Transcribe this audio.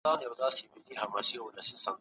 انتوان کوليولي د دې مېتود ښه بېلګه ده.